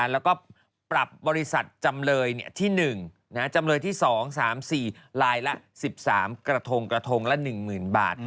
แล้วก็ปรับบริษัทจำเลยที่๑จำเลยที่๒๓๔ลายละ๑๓กระทงกระทงละ๑๐๐๐บาท